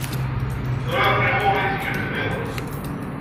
Tura aql-i ɣuṛ-i tikti-nniḍen.